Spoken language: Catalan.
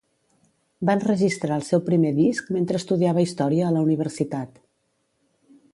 Va enregistrar el seu primer disc mentre estudiava Història a la universitat.